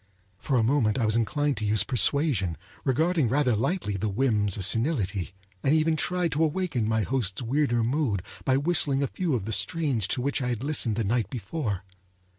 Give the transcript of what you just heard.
For a moment I was inclined to use persuasion, regarding rather lightly the whims of senility; and even tried to awaken my host's weirder mood by whistling a few of the strains to which I had listened the night before.